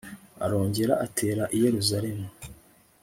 arongera atera i yerusalemu